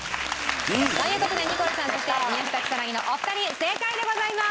という事でニコルさんそして宮下草薙のお二人正解でございます！